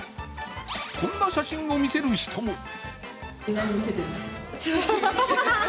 こんな写真を見せる人も。